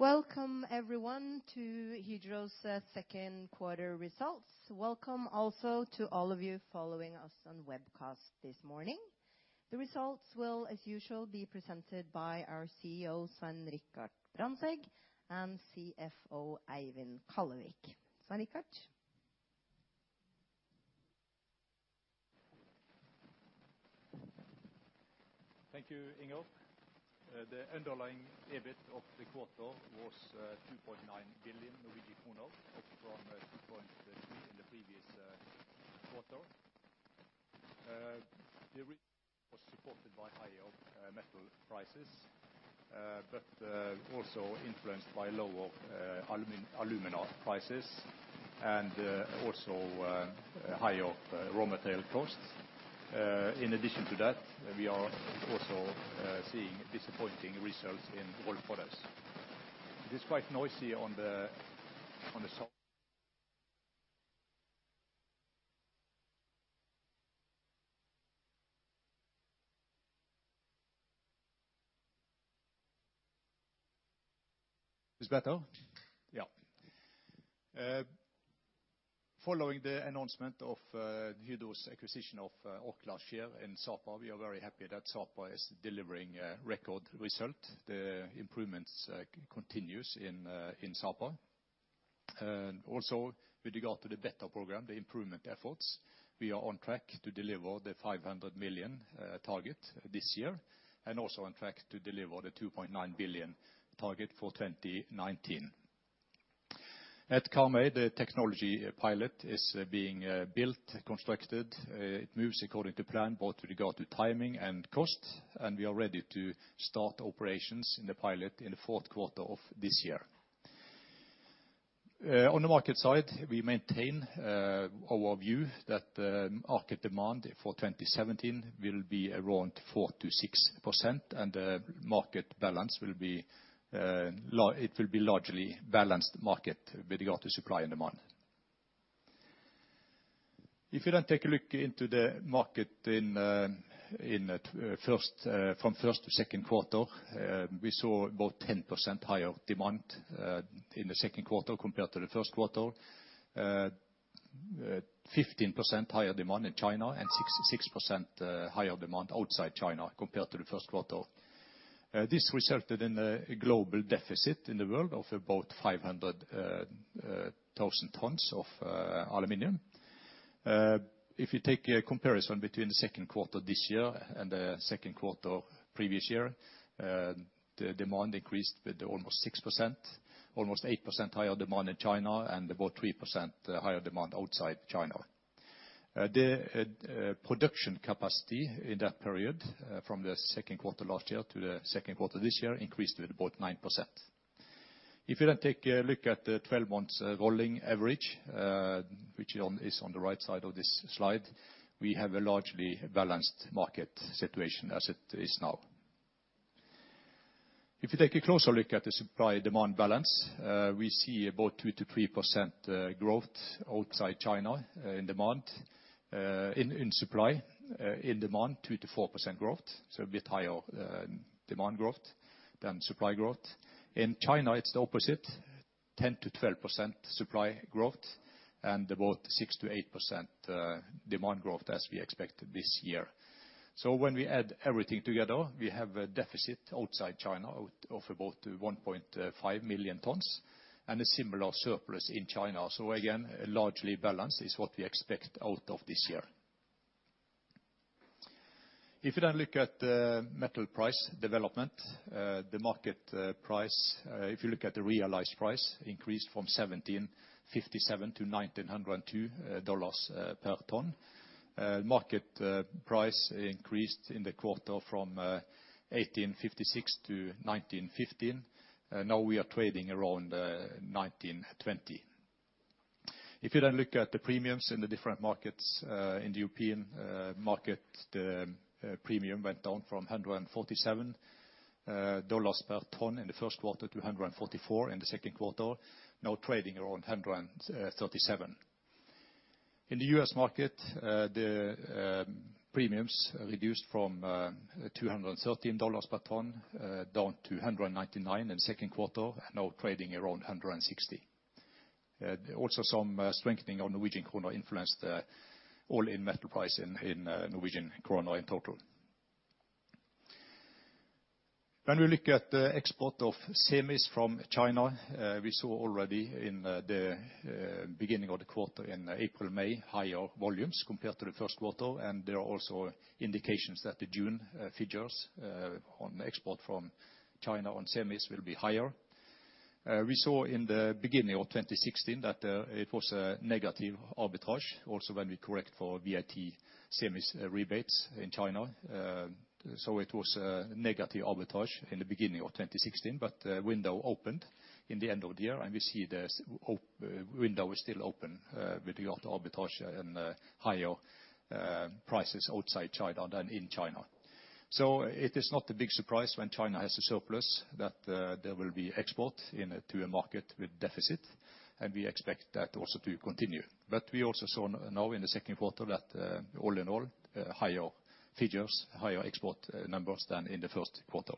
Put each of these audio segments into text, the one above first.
Welcome everyone to Hydro's 2nd quarter results. Welcome also to all of you following us on webcast this morning. The results will, as usual, be presented by our CEO, Svein Richard Brandtzæg, and CFO, Eivind Kallevik. Svein Richard? Thank you, Inger. The underlying EBIT of the quarter was 2.9 billion Norwegian kroner, up from 2.3 in the previous quarter. It was supported by higher metal prices, but also influenced by lower alumina prices and higher raw material costs. In addition to that, we are also seeing disappointing results in all products. Following the announcement of Hydro's acquisition of Alcoa's share in Sapa, we are very happy that Sapa is delivering a record result. The improvements continues in Sapa. With regard to the better program, the improvement efforts, we are on track to deliver the 500 million target this year, and also on track to deliver the 2.9 billion target for 2019. At Karmøy, the technology pilot is being built, constructed, it moves according to plan, both with regard to timing and cost, and we are ready to start operations in the pilot in the 4th quarter of this year. On the market side, we maintain our view that market demand for 2017 will be around 4%-6% and market balance will be it will be largely balanced market with regard to supply and demand. If you then take a look into the market from first to 2nd quarter, we saw about 10% higher demand in the 2nd quarter compared to the 1st quarter. 15% higher demand in China, and 6% higher demand outside China compared to the 1st quarter. This resulted in a global deficit in the world of about 500,000 tons of aluminum. If you take a comparison between the 2nd quarter this year and the 2nd quarter previous year, the demand increased with almost 6%, almost 8% higher demand in China, and about 3% higher demand outside China. The production capacity in that period from the 2nd quarter last year to the 2nd quarter this year increased with about 9%. If you then take a look at the 12 months rolling average, which one is on the right side of this slide, we have a largely balanced market situation as it is now. If you take a closer look at the supply-demand balance, we see about 2%-3% growth outside China in demand, in supply. In demand, 2%-4% growth, so a bit higher demand growth than supply growth. In China, it's the opposite, 10%-12% supply growth and about 6%-8% demand growth as we expected this year. When we add everything together, we have a deficit outside China out of about 1.5 million tons, and a similar surplus in China. Again, largely balanced is what we expect out of this year. If you then look at the metal price development, the market price, if you look at the realized price, increased from $1,757 to $1,902 per ton. Market price increased in the quarter from $1,856 to $1,915. Now we are trading around $1,920. If you then look at the premiums in the different markets, in the European market, premium went down from $147 per ton in the 1st quarter to $144 in the 2nd quarter, now trading around $137. In the U.S. market, the premiums reduced from $213 per ton down to $199 in the 2nd quarter, now trading around $160. Also some strengthening of Norwegian kroner influenced all-in metal price in Norwegian kroner in total. When we look at the export of semis from China, we saw already in the beginning of the quarter in April, May, higher volumes compared to the 1st quarter. There are also indications that the June figures on export from China on semis will be higher. We saw in the beginning of 2016 that it was a negative arbitrage, also when we correct for VAT semis rebates in China. It was negative arbitrage in the beginning of 2016, but the window opened in the end of the year, and we see this window is still open with regard to arbitrage and higher prices outside China than in China. It is not a big surprise when China has a surplus that there will be export to a market with deficit, and we expect that also to continue. We also saw in the 2nd quarter that all in all higher figures, higher export numbers than in the 1st quarter.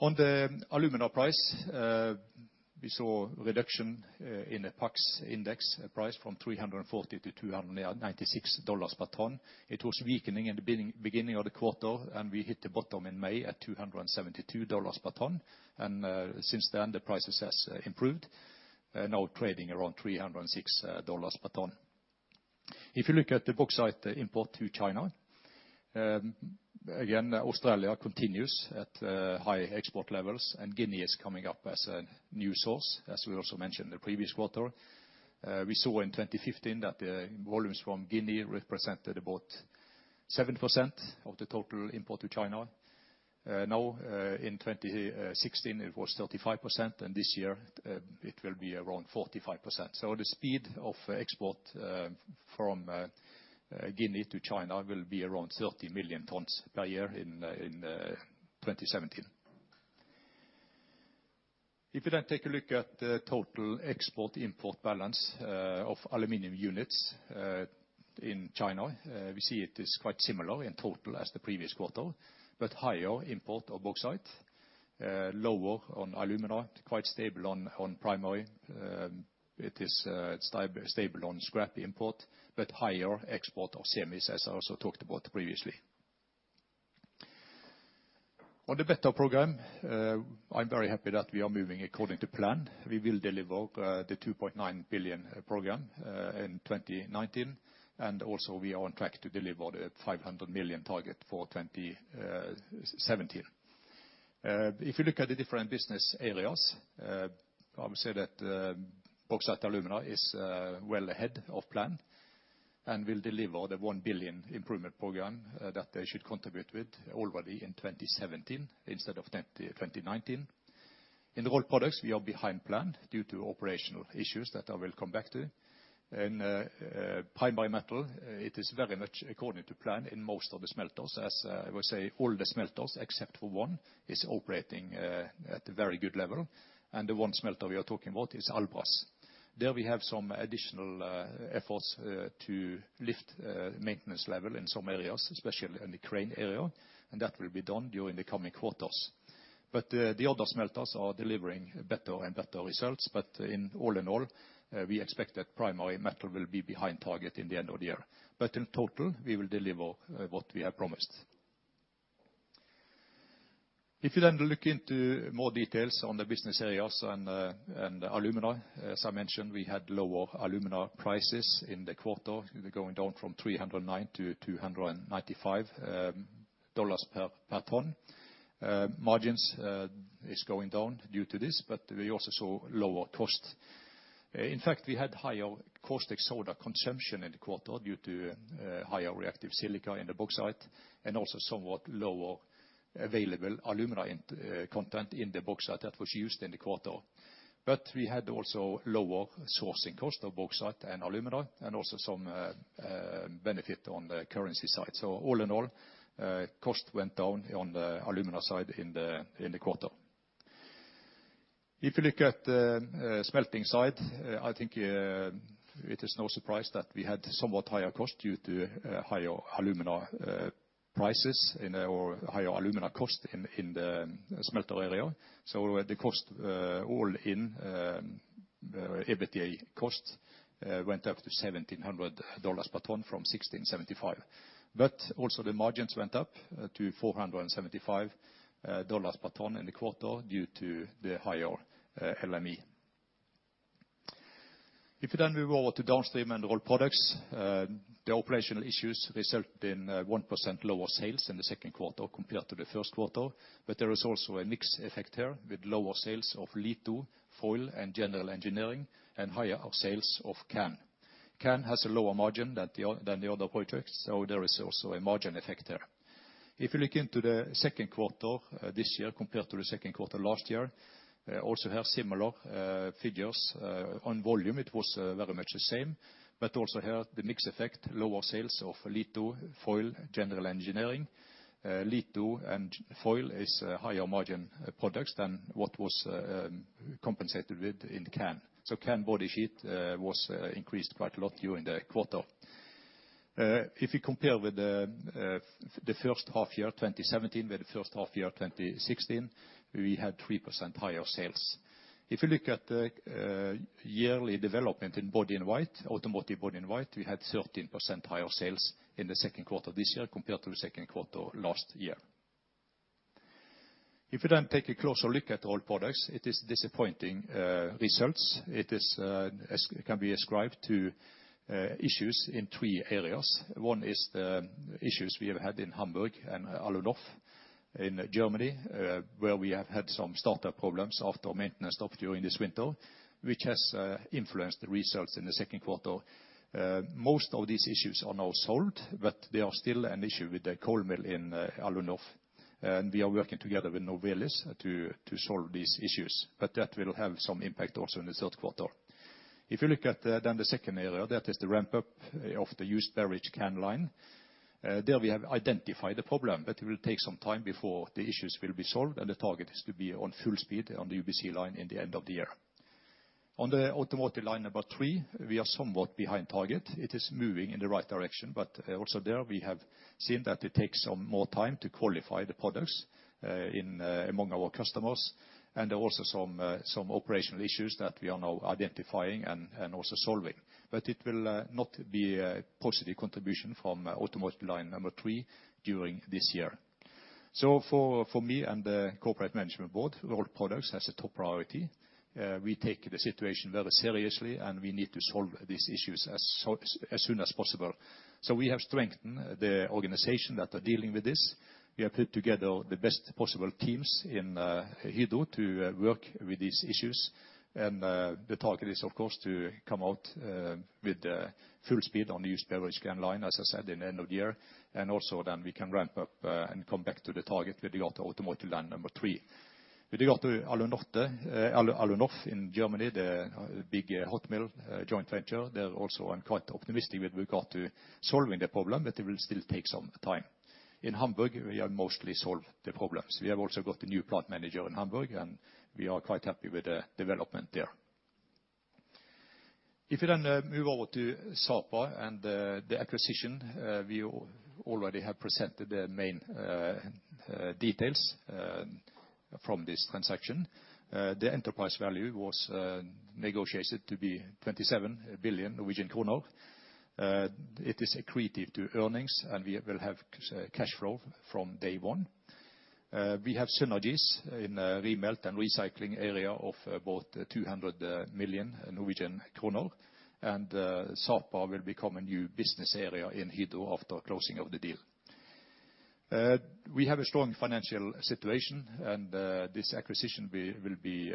On the alumina price, we saw reduction in the PAX index price from $340 to $296 per ton. It was weakening in the beginning of the quarter, and we hit the bottom in May at $272 per ton. Since then the prices has improved, now trading around $306 per ton. If you look at the bauxite import to China, again, Australia continues at high export levels and Guinea is coming up as a new source, as we also mentioned the previous quarter. We saw in 2015 that volumes from Guinea represented about 7% of the total import to China. Now, in 2016, it was 35%, and this year it will be around 45%. The speed of export from Guinea to China will be around 30 million tons per year in 2017. If you then take a look at the total export-import balance of aluminum units in China, we see it is quite similar in total as the previous quarter, but higher import of bauxite, lower on alumina, quite stable on primary. It is stable on scrap import, but higher export of semis, as I also talked about previously. On the B&A program, I'm very happy that we are moving according to plan. We will deliver the 2.9 billion program in 2019, and also we are on track to deliver the 500 million target for 2017. If you look at the different business areas, I would say that Bauxite & Alumina is well ahead of plan and will deliver the 1 billion improvement program that they should contribute with already in 2017 instead of 2019. In Rolled Products, we are behind plan due to operational issues that I will come back to. Primary Metal, it is very much according to plan in most of the smelters. I would say all the smelters except for one is operating at a very good level, and the one smelter we are talking about is Albras. There we have some additional efforts to lift maintenance level in some areas, especially in the crane area, and that will be done during the coming quarters. The other smelters are delivering better and better results. In all, we expect that primary metal will be behind target in the end of the year. In total, we will deliver what we have promised. If you then look into more details on the business areas and the alumina, as I mentioned, we had lower alumina prices in the quarter. They're going down from $309 to $295 per ton. Margins is going down due to this, but we also saw lower cost. In fact, we had higher caustic soda consumption in the quarter due to higher reactive silica in the bauxite and also somewhat lower available alumina content in the bauxite that was used in the quarter. We had also lower sourcing cost of bauxite and alumina and also some benefit on the currency side. All in all, cost went down on the alumina side in the quarter. If you look at the smelting side, I think it is no surprise that we had somewhat higher cost due to higher alumina cost in the smelter area. The cost, all in, EBITDA cost, went up to $1,700 per ton from $1,675. Also the margins went up to $475 per ton in the quarter due to the higher LME. If you then move over to downstream and Rolled Products, the operational issues result in 1% lower sales in the 2nd quarter compared to the 1st quarter. There is also a mix effect here with lower sales of litho, foil, and general engineering and higher sales of can. Can has a lower margin than the other products, so there is also a margin effect there. If you look into the 2nd quarter this year compared to the 2nd last year, also have similar figures. On volume, it was very much the same, but also here the mix effect, lower sales of litho, foil, general engineering. Litho and foil is a higher margin products than what was compensated with in the can. Can body sheet was increased quite a lot during the quarter. If you compare with the first half year, 2017, with the first half year, 2016, we had 3% higher sales. If you look at yearly development in body in white, automotive body in white, we had 13% higher sales in the 2nd quarter this year compared to the 2nd quarter last year. If you then take a closer look at Rolled Products, it is disappointing results. It can be ascribed to issues in 3 areas. One is the issues we have had in Hamburg and Alunorf in Germany, where we have had some startup problems after maintenance stop during this winter, which has influenced the results in the 2nd quarter. Most of these issues are now solved, but there are still an issue with the coal mill in Alunorf. We are working together with Novelis to solve these issues, but that will have some impact also in the 3rd quarter. If you look at then the second area, that is the ramp-up of the used beverage can line, there we have identified the problem, but it will take some time before the issues will be solved, and the target is to be on full speed on the UBC line in the end of the year. On the automotive line number 3, we are somewhat behind target. It is moving in the right direction, but also there we have seen that it takes some more time to qualify the products in among our customers, and also some operational issues that we are now identifying and also solving. It will not be a positive contribution from automotive line 3 during this year. For me and the corporate management board, rolled products has a top priority. We take the situation very seriously, and we need to solve these issues as soon as possible. We have strengthened the organization that are dealing with this. We have put together the best possible teams in Hydro to work with these issues. The target is, of course, to come out with full speed on the used beverage can line, as I said, in end of year. Also then we can ramp up and come back to the target with regard to automotive line number 3. With regard to Alunorf in Germany, the big hot mill joint venture, they're also. I'm quite optimistic that we got to solving the problem, but it will still take some time. In Hamburg, we have mostly solved the problems. We have also got a new plant manager in Hamburg, and we are quite happy with the development there. If you then move over to Sapa and the acquisition, we already have presented the main details from this transaction. The enterprise value was negotiated to be 27 billion Norwegian kroner. It is accretive to earnings, and we will have cash flow from day one. We have synergies in remelt and recycling area of about NOK 200 million. Sapa will become a new business area in Hydro after closing of the deal. We have a strong financial situation, and this acquisition we will be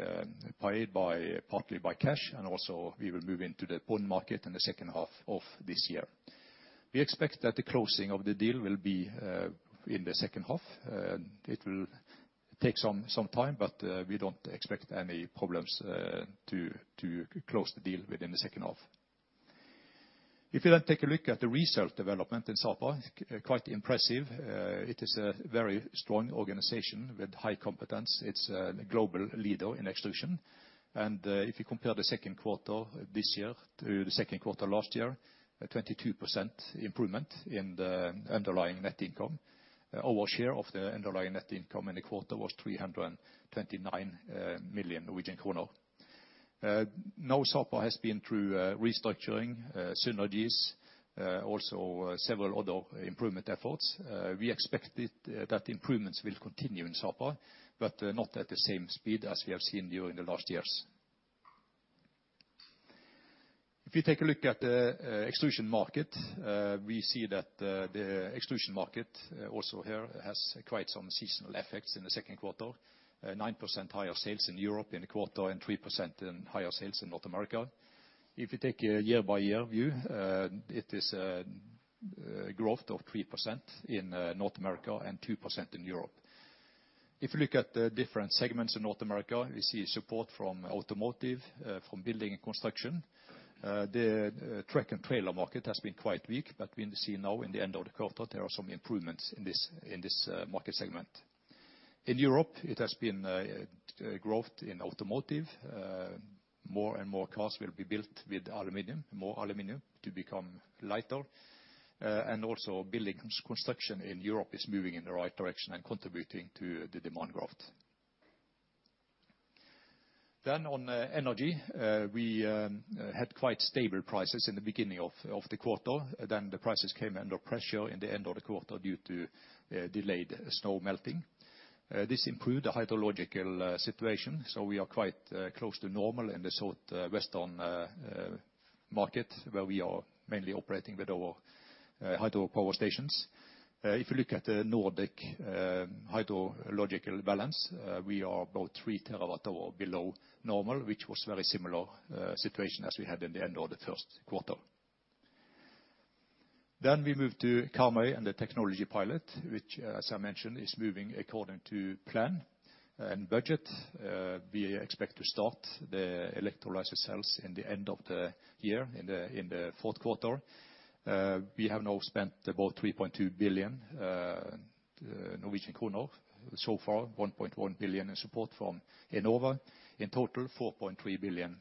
paid by, partly by cash, and also we will move into the bond market in the second half of this year. We expect that the closing of the deal will be in the second half. It will take some time, but we don't expect any problems to close the deal within the second half. If you then take a look at the research development in Sapa, quite impressive. It is a very strong organization with high competence. It's a global leader in extrusion. If you compare the 2nd quarter this year to the 2nd quarter last year, a 22% improvement in the underlying net income. Our share of the underlying net income in the quarter was 329 million Norwegian kroner. Now Sapa has been through restructuring, synergies, also several other improvement efforts. We expect that improvements will continue in Sapa, but not at the same speed as we have seen during the last years. If you take a look at extrusion market, we see that the extrusion market also here has quite some seasonal effects in the 2nd quarter. 9% higher sales in Europe in the quarter, and 3% higher sales in North America. If you take a year-by-year view, it is growth of 3% in North America and 2% in Europe. If you look at the different segments in North America, we see support from automotive, from building and construction. The truck and trailer market has been quite weak, but we see now in the end of the quarter there are some improvements in this market segment. In Europe, it has been growth in automotive. More and more cars will be built with aluminum, more aluminum to become lighter. And also building construction in Europe is moving in the right direction and contributing to the demand growth. On energy, we had quite stable prices in the beginning of the quarter. The prices came under pressure in the end of the quarter due to delayed snow melting. This improved the hydrological situation, so we are quite close to normal in the southwestern market, where we are mainly operating with our hydropower stations. If you look at the Nordic hydrological balance, we are about 3 terawatt-hours below normal, which was very similar situation as we had in the end of the 1st quarter. We move to Karmøy and the technology pilot, which, as I mentioned, is moving according to plan and budget. We expect to start the electrolysis cells in the end of the year, in the 4th quarter. We have now spent about 3.2 billion Norwegian kroner so far, 1.1 billion in support from Enova. In total, 4.3 billion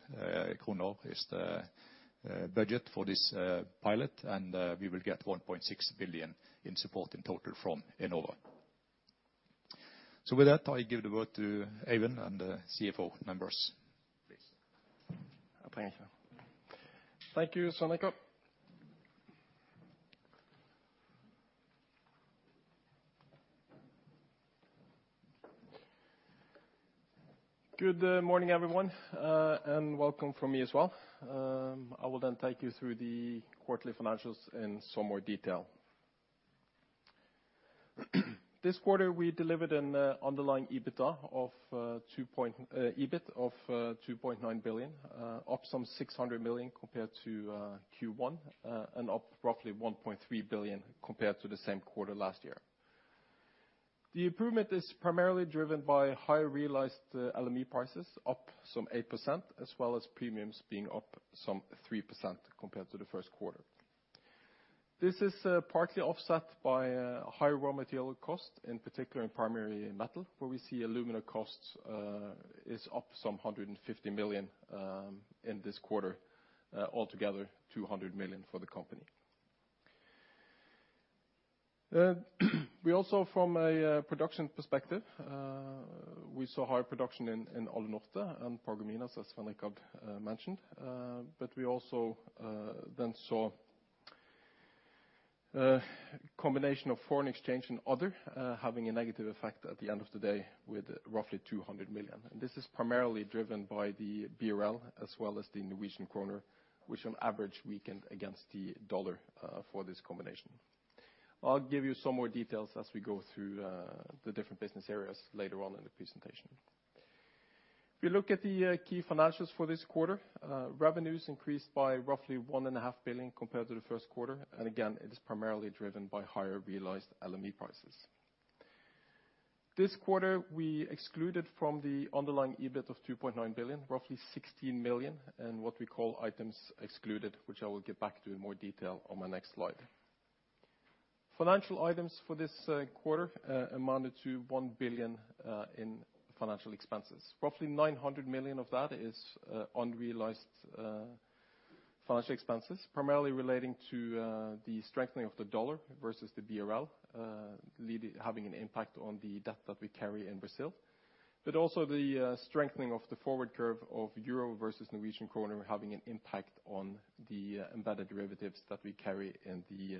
kroner is the budget for this pilot, and we will get 1.6 billion in support in total from Enova. With that, I give the word to Eivind and the CFO members, please. Thank you. Thank you, Svein Richard. Good morning, everyone, and welcome from me as well. I will then take you through the quarterly financials in some more detail. This quarter, we delivered an underlying EBIT of 2.9 billion, up some 600 million compared to Q1, and up roughly 1.3 billion compared to the same quarter last year. The improvement is primarily driven by higher realized LME prices, up some 8%, as well as premiums being up some 3% compared to the 1st quarter. This is partly offset by higher raw material cost, in particular in primary metal, where we see alumina costs is up some 150 million in this quarter. Altogether 200 million for the company. We also, from a production perspective, saw higher production in Alunorf and Paragominas, as Svein Richard Brandtzæg mentioned. We also then saw a combination of foreign exchange and other having a negative effect at the end of the day with roughly 200 million. This is primarily driven by the BRL as well as the Norwegian kroner, which on average weakened against the dollar for this combination. I'll give you some more details as we go through the different business areas later on in the presentation. If you look at the key financials for this quarter, revenues increased by roughly 1.5 billion compared to the 1st quarter. Again, it is primarily driven by higher realized LME prices. This quarter, we excluded from the underlying EBIT of 2.9 billion, roughly 16 million, and what we call items excluded, which I will get back to in more detail on my next slide. Financial items for this quarter amounted to 1 billion in financial expenses. Roughly 900 million of that is unrealized financial expenses, primarily relating to the strengthening of the dollar versus the BRL, having an impact on the debt that we carry in Brazil. Also, the strengthening of the forward curve of euro versus Norwegian kroner having an impact on the embedded derivatives that we carry in the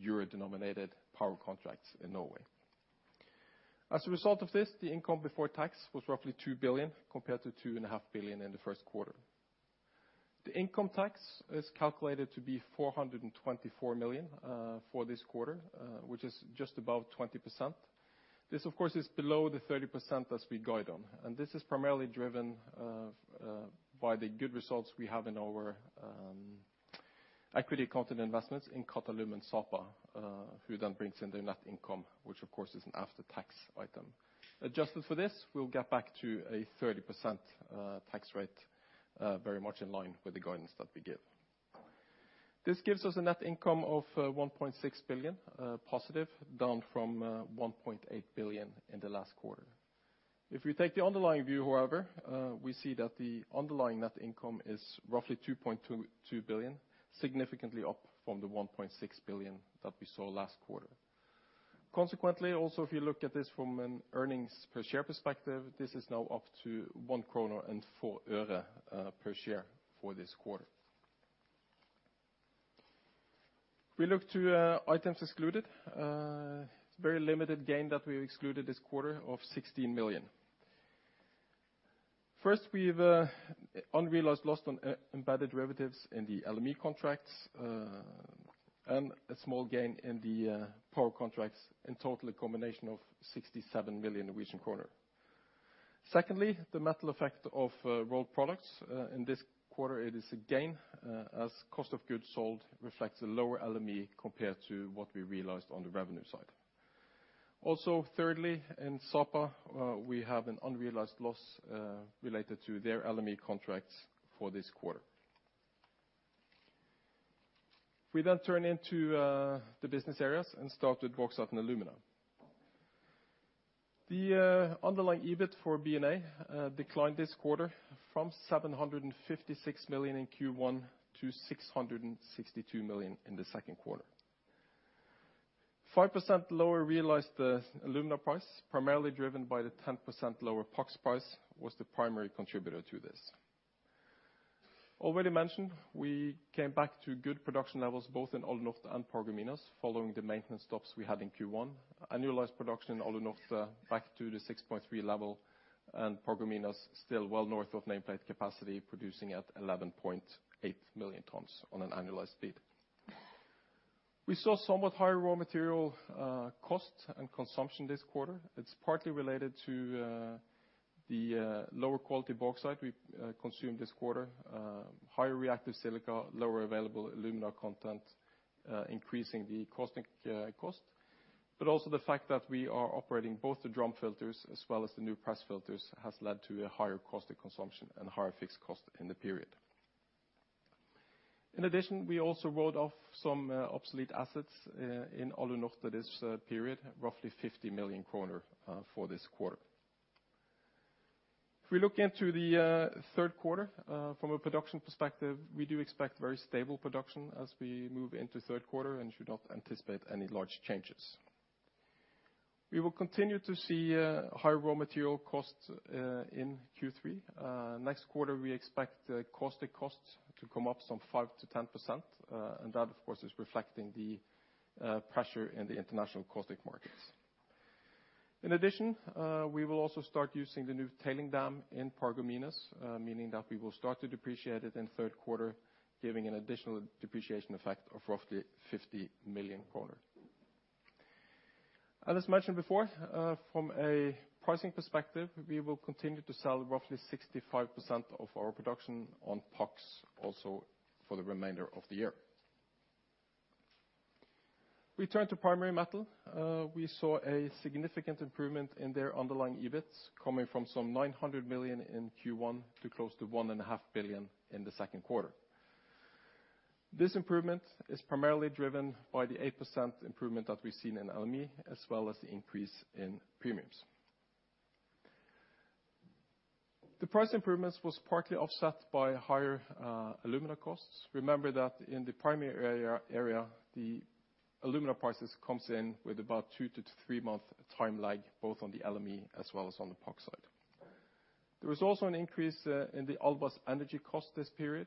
euro-denominated power contracts in Norway. As a result of this, the income before tax was roughly 2 billion, compared to 2.5 billion in the 1st quarter. The income tax is calculated to be 424 million for this quarter, which is just above 20%. This, of course, is below the 30% as we guide on. This is primarily driven by the good results we have in our equity accounted investments in Qatalum and Sapa, who then brings in their net income, which of course is an after-tax item. Adjusted for this, we'll get back to a 30% tax rate, very much in line with the guidance that we give. This gives us a net income of 1.6 billion positive, down from 1.8 billion in the last quarter. If we take the underlying view, however, we see that the underlying net income is roughly 2.2 billion, significantly up from the 1.6 billion that we saw last quarter. Consequently, also, if you look at this from an earnings per share perspective, this is now up to 1.04 kroner per share for this quarter. Looking to items excluded, it's a very limited gain that we excluded this quarter of 16 million. First, we've a unrealized loss on embedded derivatives in the LME contracts, and a small gain in the power contracts, in total a combination of 67 million Norwegian kroner. Secondly, the metal effect of rolled products in this quarter it is a gain as cost of goods sold reflects a lower LME compared to what we realized on the revenue side. Also, thirdly, in Sapa we have an unrealized loss related to their LME contracts for this quarter. We then turn into the business areas and start with Bauxite & Alumina. The underlying EBIT for B&A declined this quarter from 756 million in Q1 to 662 million in the 2nd quarter. 5% lower realized alumina price, primarily driven by the 10% lower PAX price, was the primary contributor to this. Already mentioned, we came back to good production levels, both in Alunorf and Paragominas, following the maintenance stops we had in Q1. Annualized production, Alunorf back to the 6.3 level, and Paragominas still well north of nameplate capacity, producing at 11.8 million tons on an annualized speed. We saw somewhat higher raw material cost and consumption this quarter. It's partly related to the lower quality bauxite we consumed this quarter. Higher reactive silica, lower available alumina content, increasing the caustic cost. Also the fact that we are operating both the drum filters as well as the new press filters has led to a higher caustic consumption and higher fixed cost in the period. In addition, we also wrote off some obsolete assets in Alunorf this period, roughly 50 million kroner, for this quarter. If we look into the 3rd quarter from a production perspective, we do expect very stable production as we move into 3rd quarter and should not anticipate any large changes. We will continue to see higher raw material costs in Q3. Next quarter, we expect the caustic costs to come up some 5%-10%, and that, of course, is reflecting the pressure in the international caustic markets. In addition, we will also start using the new tailing dam in Paragominas, meaning that we will start to depreciate it in 3rd quarter, giving an additional depreciation effect of roughly 50 million kroner. As mentioned before, from a pricing perspective, we will continue to sell roughly 65% of our production on PAX also for the remainder of the year. We turn to primary metal. We saw a significant improvement in their underlying EBITs, coming from 900 million in Q1 to close to 1.5 billion in the 2nd quarter. This improvement is primarily driven by the 8% improvement that we've seen in LME, as well as the increase in premiums. The price improvements was partly offset by higher alumina costs. Remember that in the primary area, the alumina prices comes in with about 2-3 month time lag, both on the LME as well as on the PAX side. There was also an increase in the Albras energy cost this period.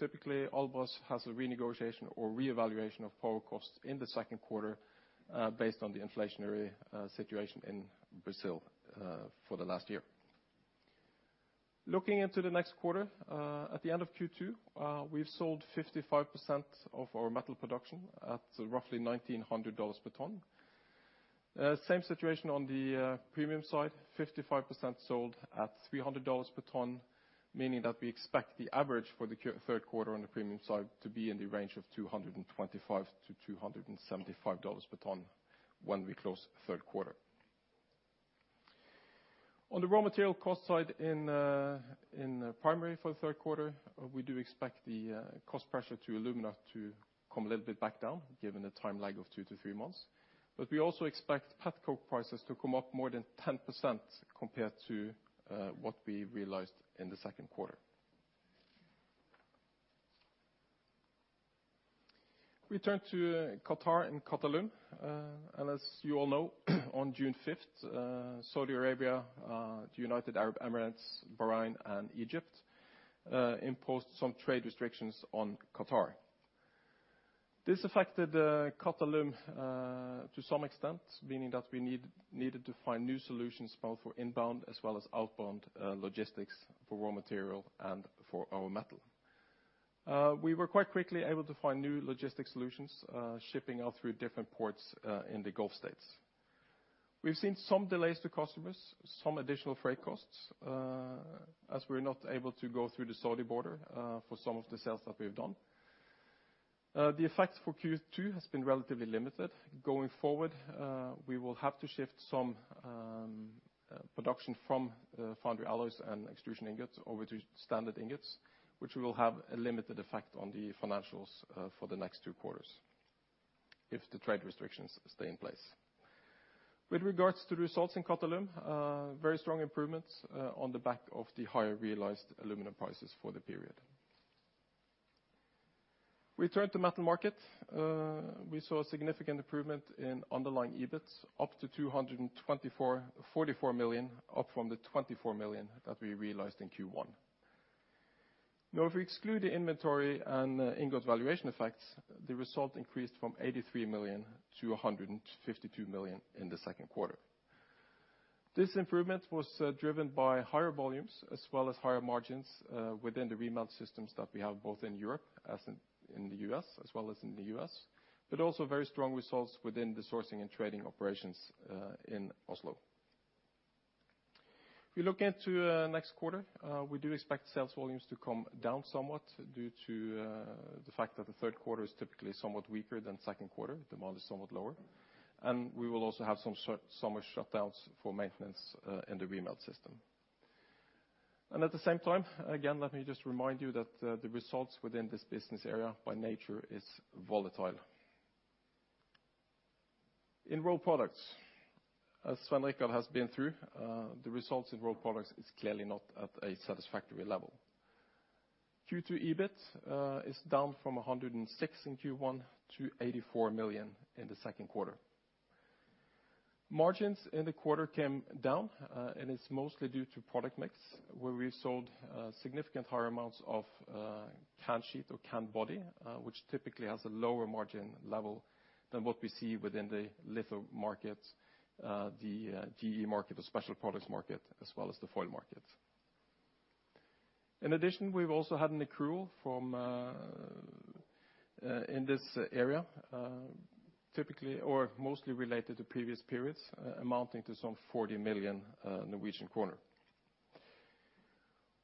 Typically, Albras has a renegotiation or re-evaluation of power costs in the 2nd quarter, based on the inflationary situation in Brazil for the last year. Looking into the next quarter, at the end of Q2, we've sold 55% of our metal production at roughly $1,900 per ton. Same situation on the premium side, 55% sold at $300 per ton, meaning that we expect the average for the 3rd quarter on the premium side to be in the range of $225-$275 per ton when we close the 3rd quarter. On the raw material cost side in primary for the 3rd quarter, we do expect the cost pressure to alumina to come a little bit back down given the time lag of 2-3 months. We also expect pet coke prices to come up more than 10% compared to what we realized in the 2nd quarter. We turn to Qatar and Qatalum, and as you all know, on June fifth, Saudi Arabia, the United Arab Emirates, Bahrain, and Egypt imposed some trade restrictions on Qatar. This affected Qatalum to some extent, meaning that we needed to find new solutions both for inbound as well as outbound logistics for raw material and for our metal. We were quite quickly able to find new logistic solutions, shipping out through different ports in the Gulf states. We've seen some delays to customers, some additional freight costs, as we're not able to go through the Saudi border for some of the sales that we've done. The effect for Q2 has been relatively limited. Going forward, we will have to shift some production from foundry alloys and extrusion ingots over to standard ingots, which will have a limited effect on the financials for the next 2 quarters if the trade restrictions stay in place. With regards to the results in Qatalum, very strong improvements on the back of the higher realized aluminum prices for the period. We turn to metal markets. We saw a significant improvement in underlying EBIT up to 224.4 million, up from the 24 million that we realized in Q1. Now if we exclude the inventory and ingot valuation effects, the result increased from 83 million to 152 million in the 2nd quarter. This improvement was driven by higher volumes as well as higher margins within the remelt systems that we have both in Europe and in the U.S., but also very strong results within the sourcing and trading operations in Oslo. If we look into next quarter, we do expect sales volumes to come down somewhat due to the fact that the 3rd quarter is typically somewhat weaker than 2nd quarter, demand is somewhat lower. We will also have some summer shutdowns for maintenance in the remelt system. At the same time, again, let me just remind you that the results within this business area by nature is volatile. In rolled products, as Svein Richard has been through, the results in rolled products is clearly not at a satisfactory level. Q2 EBIT is down from 106 in Q1 to 84 million in the 2nd quarter. Margins in the quarter came down, and it's mostly due to product mix, where we sold significant higher amounts of canned sheet or canned body, which typically has a lower margin level than what we see within the litho markets, the GE market, the special products market, as well as the foil market. In addition, we've also had an accrual in this area, typically or mostly related to previous periods, amounting to some 40 million Norwegian kroner.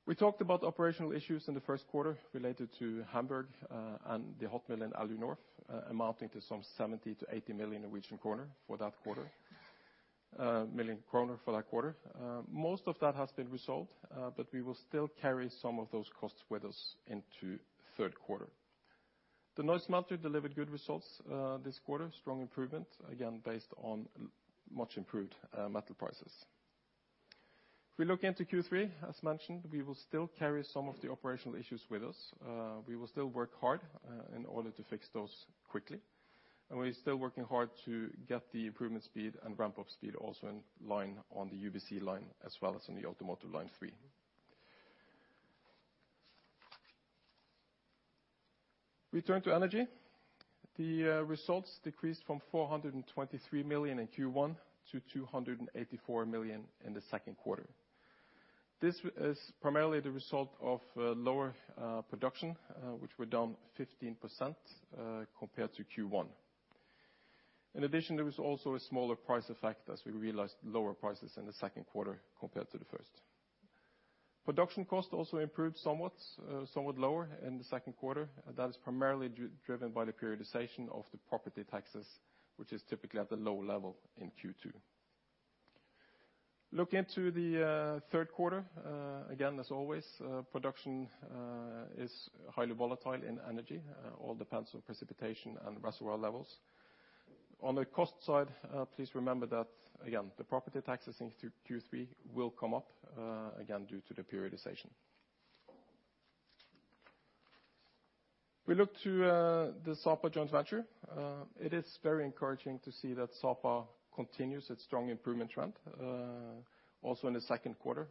We talked about operational issues in the 1st quarter related to Hamburg and the hot mill in Alunorf, amounting to some 70-80 million Norwegian kroner for that quarter. Most of that has been resolved, but we will still carry some of those costs with us into 3rd quarter. The Neuss smelter delivered good results this quarter, strong improvement, again based on much improved metal prices. If we look into Q3, as mentioned, we will still carry some of the operational issues with us. We will still work hard in order to fix those quickly. We're still working hard to get the improvement speed and ramp-up speed also in line on the UBC line, as well as on the Automotive Line III. We turn to energy. The results decreased from 423 million in Q1 to 284 million in the 2nd quarter. This is primarily the result of lower production, which were down 15% compared to Q1. In addition, there was also a smaller price effect as we realized lower prices in the 2nd quarter compared to the first. Production cost also improved somewhat lower in the 2nd quarter. That is primarily driven by the periodization of the property taxes, which is typically at the low level in Q2. Looking to the 3rd quarter, again, as always, production is highly volatile in energy, all depends on precipitation and reservoir levels. On the cost side, please remember that, again, the property taxes in Q3 will come up, again, due to the periodization. We look to the Sapa joint venture. It is very encouraging to see that Sapa continues its strong improvement trend, also in the 2nd quarter.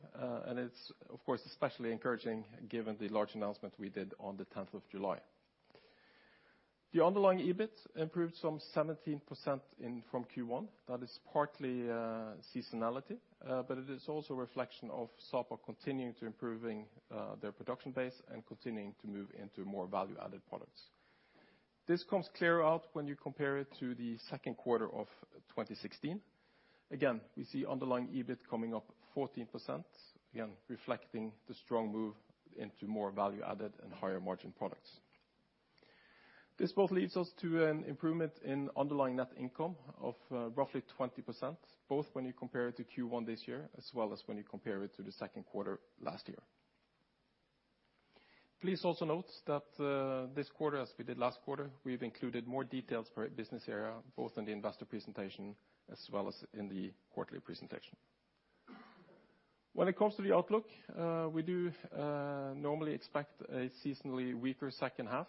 It's, of course, especially encouraging given the large announcement we did on the tenth of July. The underlying EBIT improved some 17% from Q1. That is partly seasonality, but it is also a reflection of Sapa continuing to improve their production base and continuing to move into more value-added products. This comes out clearer when you compare it to the 2nd quarter of 2016. Again, we see underlying EBIT coming up 14%, again, reflecting the strong move into more value-added and higher-margin products. This both leads us to an improvement in underlying net income of roughly 20%, both when you compare it to Q1 this year, as well as when you compare it to the 2nd quarter last year. Please also note that this quarter, as we did last quarter, we've included more details per business area, both in the investor presentation as well as in the quarterly presentation. When it comes to the outlook, we do normally expect a seasonally weaker second half,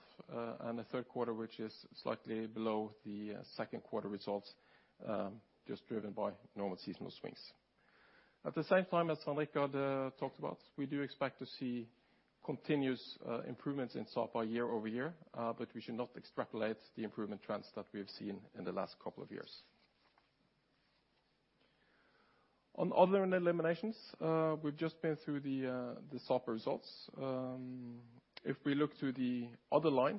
and a 3rd quarter which is slightly below the 2nd quarter results, just driven by normal seasonal swings. At the same time, as Svein Richard talked about, we do expect to see continuous improvements in Sapa year-over-year, but we should not extrapolate the improvement trends that we have seen in the last couple of years. On other eliminations, we've just been through the Sapa results. If we look to the other line,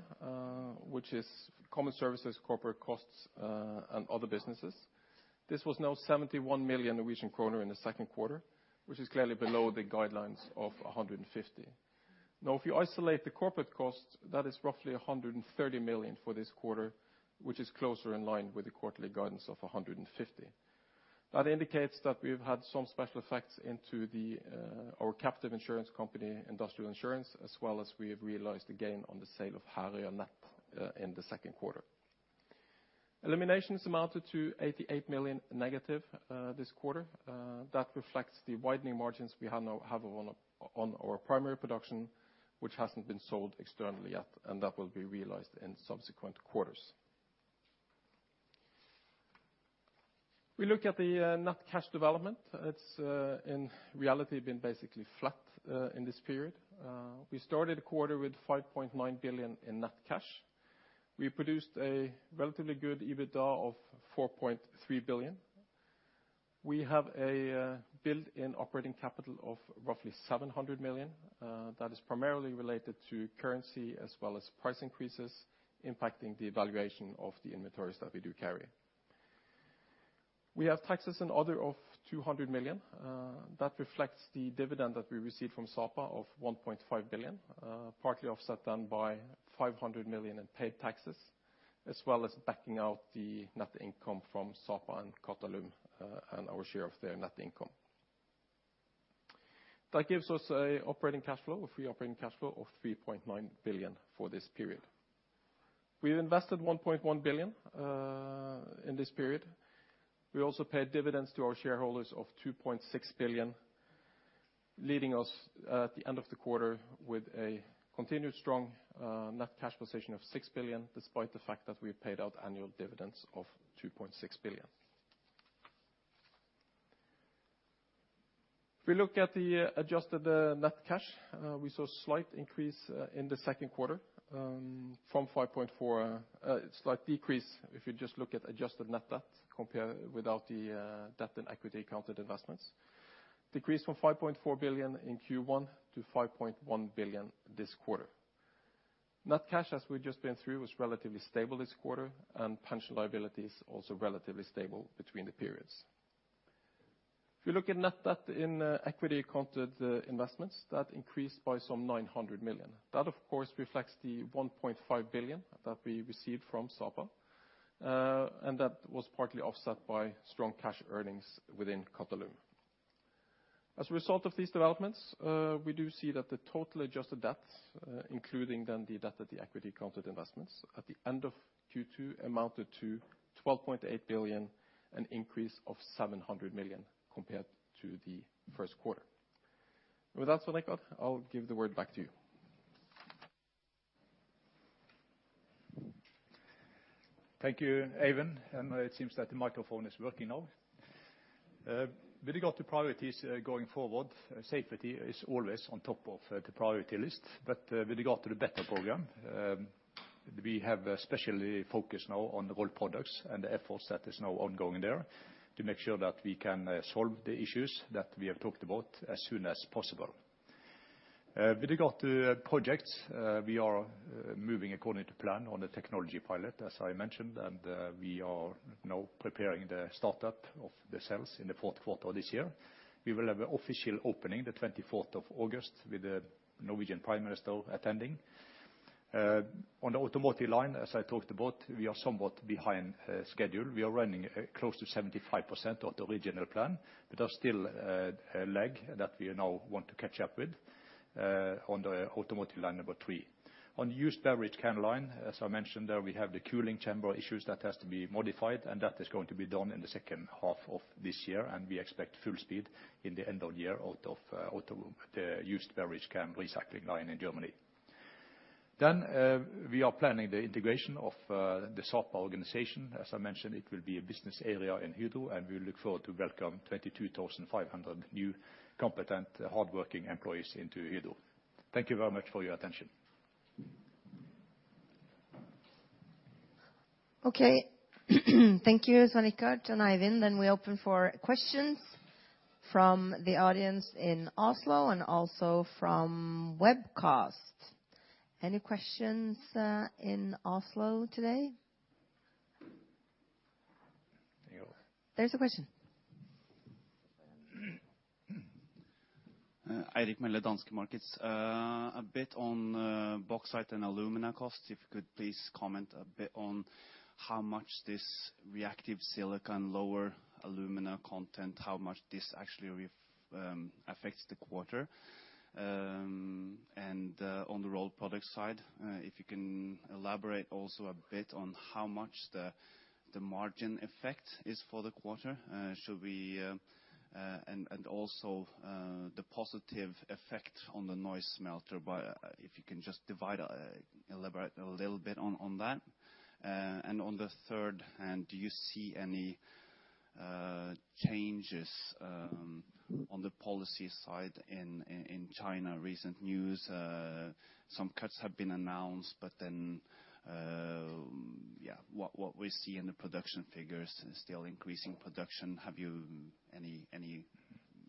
which is common services, corporate costs, and other businesses, this was now 71 million Norwegian kroner in the 2nd quarter, which is clearly below the guidelines of 150. Now if you isolate the corporate costs, that is roughly 130 million for this quarter, which is closer in line with the quarterly guidance of 150 million. That indicates that we've had some special effects into our captive insurance company, Industriforsikring, as well as we have realized a gain on the sale of Herøya Nett in the 2nd quarter. Eliminations amounted to -88 million this quarter. That reflects the widening margins we have now on our primary production, which hasn't been sold externally yet, and that will be realized in subsequent quarters. We look at the net cash development. It's in reality been basically flat in this period. We started the quarter with 5.9 billion in net cash. We produced a relatively good EBITDA of 4.3 billion. We have a build-up in operating capital of roughly 700 million. That is primarily related to currency as well as price increases impacting the valuation of the inventories that we do carry. We have taxes in the order of 200 million. That reflects the dividend that we received from Sapa of 1.5 billion, partly offset then by 500 million in paid taxes, as well as backing out the net income from Sapa and Qatalum, and our share of their net income. That gives us an operating cash flow, a free operating cash flow of 3.9 billion for this period. We've invested 1.1 billion in this period. We also paid dividends to our shareholders of 2.6 billion, leaving us at the end of the quarter with a continued strong net cash position of 6 billion, despite the fact that we have paid out annual dividends of 2.6 billion. If we look at the adjusted net cash, we saw slight increase in the 2nd quarter. Slight decrease if you just look at adjusted net debt compared without the debt and equity accounted investments. Decrease from 5.4 billion in Q1 to 5.1 billion this quarter. Net cash, as we've just been through, was relatively stable this quarter, and pension liability is also relatively stable between the periods. If you look at net debt in equity accounted investments, that increased by some 900 million. That, of course, reflects the 1.5 billion that we received from Sapa, and that was partly offset by strong cash earnings within Qatalum. As a result of these developments, we do see that the total adjusted debts, including then the debt of the equity accounted investments at the end of Q2 amounted to 12.8 billion, an increase of 700 million compared to the 1st quarter. With that, Svein Richard, I'll give the word back to you. Thank you, Eivind, and it seems that the microphone is working now. With regard to priorities, going forward, safety is always on top of the priority list. With regard to the better program, we have especially focused now on the Rolled Products and the efforts that is now ongoing there to make sure that we can solve the issues that we have talked about as soon as possible. With regard to projects, we are moving according to plan on the technology pilot, as I mentioned, and we are now preparing the startup of the cells in the 4th quarter this year. We will have an official opening the 24th of August with the Norwegian Prime Minister attending. On the automotive line, as I talked about, we are somewhat behind schedule. We are running close to 75% of the original plan, but there's still a lag that we now want to catch up with on the Automotive Line 3. On used beverage can line, as I mentioned, there we have the cooling chamber issues that has to be modified, and that is going to be done in the second half of this year, and we expect full speed at the end of the year out of the used beverage can recycling line in Germany. We are planning the integration of the Sapa organization. As I mentioned, it will be a business area in Hydro, and we look forward to welcome 22,500 new competent, hardworking employees into Hydro. Thank you very much for your attention. Okay. Thank you, Svein Richard and Eivind. We open for questions from the audience in Oslo and also from webcast. Any questions in Oslo today? There you go. There's a question. Eirik Melle, Danske Markets. A bit on bauxite and alumina costs, if you could please comment a bit on how much this reactive silica and lower alumina content actually affects the quarter. On the rolled product side, if you can elaborate also a bit on how much the margin effect is for the quarter, and also the positive effect on the Neuss smelter. If you can just elaborate a little bit on that. On the third hand, do you see any changes on the policy side in China? Recent news, some cuts have been announced, but then yeah, what we see in the production figures is still increasing production. Have you any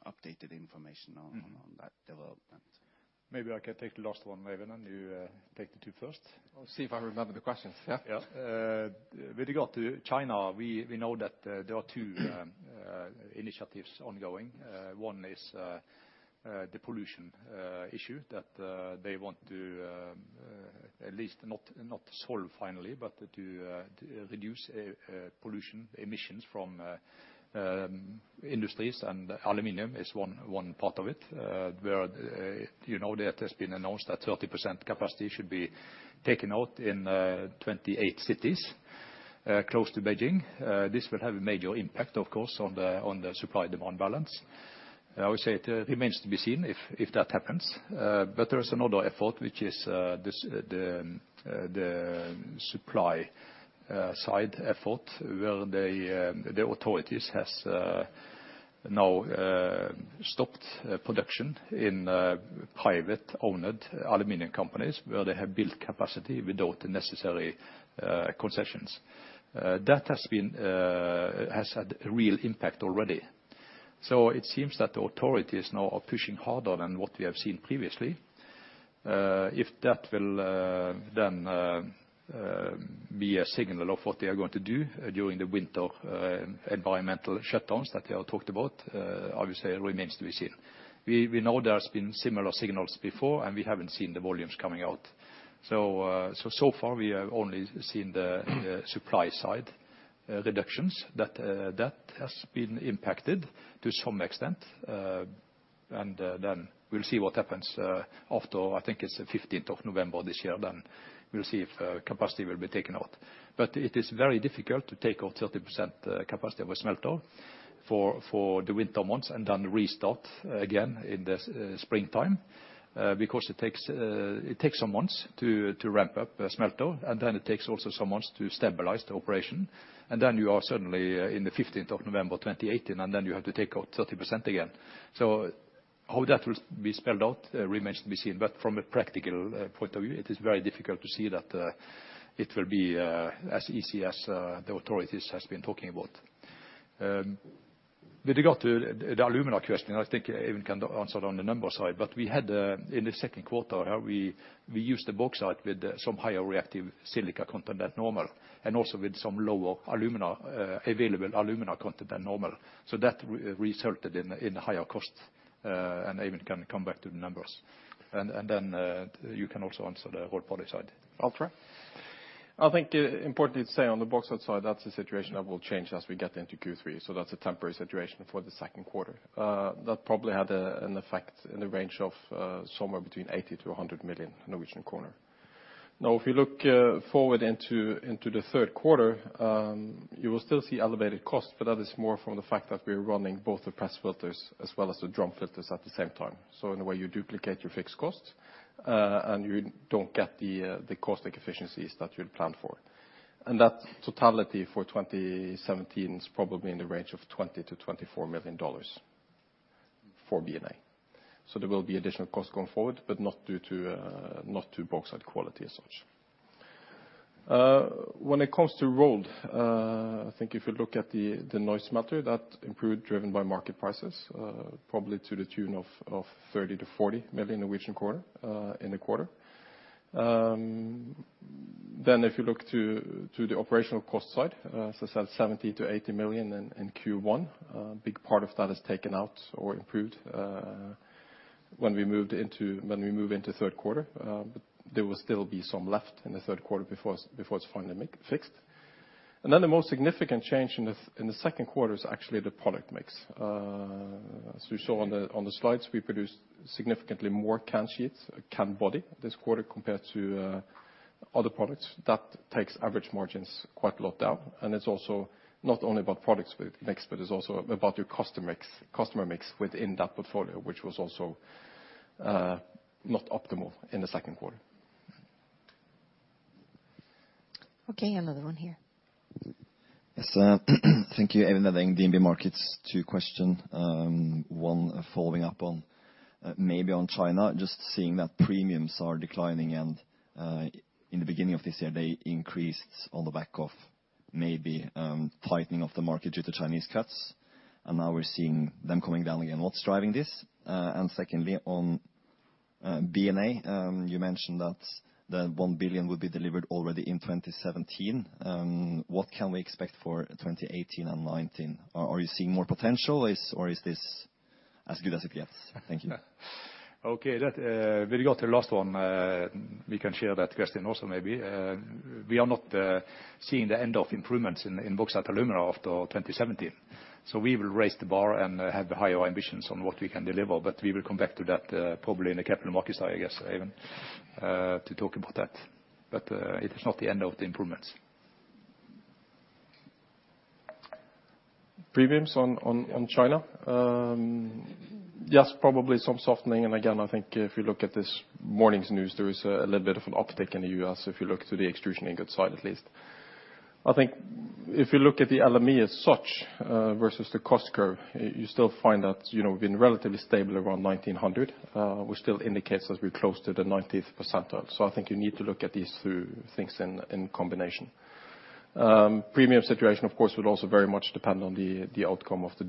updated information on that development? Maybe I can take the last one, Eivind, and you take the 2 first. I'll see if I remember the questions. Yeah. Yeah. With regard to China, we know that there are 2 initiatives ongoing. One is the pollution issue that they want to at least not solve finally, but to reduce pollution emissions from industries, and aluminum is one part of it. Where you know that has been announced that 30% capacity should be taken out in 28 cities close to Beijing. This will have a major impact of course on the supply-demand balance. I would say it remains to be seen if that happens. There is another effort, which is this, the supply side effort, where the authorities has now stopped production in private-owned aluminum companies, where they have built capacity without the necessary concessions. That has had a real impact already. It seems that the authorities now are pushing harder than what we have seen previously. If that will then be a signal of what they are going to do during the winter environmental shutdowns that they all talked about, obviously it remains to be seen. We know there's been similar signals before, and we haven't seen the volumes coming out. So far we have only seen the supply side reductions that has been impacted to some extent. Then we'll see what happens after I think it's the fifteenth of November this year. Then we'll see if capacity will be taken out. It is very difficult to take out 30% capacity of a smelter for the winter months and then restart again in the springtime because it takes some months to ramp up a smelter, and then it takes also some months to stabilize the operation. You are suddenly in the 15th of November 2018, and then you have to take out 30% again. How that will be spelled out remains to be seen. From a practical point of view, it is very difficult to see that it will be as easy as the authorities has been talking about. With regard to the alumina question, I think Eivind can answer on the number side. We had, in the 2nd quarter, we used the bauxite with some higher reactive silica content than normal, and also with some lower alumina, available alumina content than normal. That resulted in higher costs, and Eivind can come back to the numbers. You can also answer the whole product side. I'll try. I think importantly to say on the bauxite side, that's a situation that will change as we get into Q3. That's a temporary situation for the 2nd quarter. That probably had an effect in the range of somewhere between 80-100 million Norwegian kroner. Now, if you look forward into the 3rd quarter, you will still see elevated costs, but that is more from the fact that we're running both the press filters as well as the drum filters at the same time. In a way, you duplicate your fixed costs, and you don't get the cost efficiencies that you'd planned for. That totality for 2017 is probably in the range of $20 million-$24 million for B&A. There will be additional costs going forward, but not due to bauxite quality as such. When it comes to rolled, I think if you look at the Neuss matter that improved, driven by market prices, probably to the tune of 30 million-40 million, maybe in the region quarter in the quarter. If you look to the operational cost side, so that's 70 million-80 million in Q1. Big part of that is taken out or improved, when we move into 3rd quarter. There will still be some left in the 3rd quarter before it's finally fixed. The most significant change in the 2nd quarter is actually the product mix. You saw on the slides, we produced significantly more can sheets, can body this quarter compared to other products. That takes average margins quite a lot down. It's also not only about products with mix, but it's also about your customer mix, customer mix within that portfolio, which was also not optimal in the 2nd quarter. Okay, another one here. Yes, thank you. Eivind Lervik, DNB Markets. 2 questions. One following up on, maybe on China, just seeing that premiums are declining and, in the beginning of this year, they increased on the back of maybe, tightening of the market due to Chinese cuts, and now we're seeing them coming down again. What's driving this? And secondly, on, B&A, you mentioned that the 1 billion will be delivered already in 2017. What can we expect for 2018 and 2019? Are you seeing more potential? Is or is this as good as it gets? Thank you. Okay. That when we got to the last one, we can share that question also, maybe. We are not seeing the end of improvements in Bauxite & Alumina after 2017. We will raise the bar and have higher ambitions on what we can deliver. We will come back to that, probably in the Capital Markets Day, I guess, Evan, to talk about that. It is not the end of the improvements. Premiums on China. Yes, probably some softening. I think if you look at this morning's news, there is a little bit of an uptick in the U.S., if you look to the extrusion ingot side, at least. I think if you look at the LME as such, versus the cost curve, you still find that, you know, we've been relatively stable around $1,900, which still indicates that we're close to the 90th percentile. I think you need to look at these 2 things in combination. Premium situation, of course, would also very much depend on the outcome of the